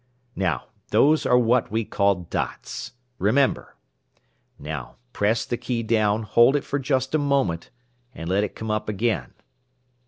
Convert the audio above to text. "Now, those are what we call 'dots.' Remember. Now, press the key down, hold it for just a moment, and let it come up again.